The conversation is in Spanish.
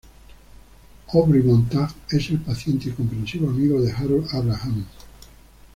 Aubrey Montague es el paciente y comprensivo amigo de Harold Abrahams.